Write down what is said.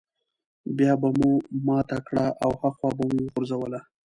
بيا به مو ماته کړه او هاخوا به مو وغورځوله.